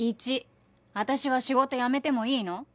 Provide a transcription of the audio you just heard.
１私は仕事辞めてもいいの？